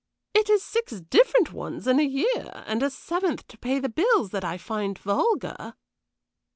It is six different ones in a year, and a seventh to pay the bills, that I find vulgar."